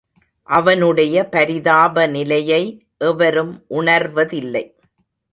அவனுடைய பரிதாப நிலையை எவரும் உணர்வதில்லை.